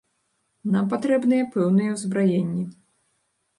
Нам патрэбныя пэўныя ўзбраенні.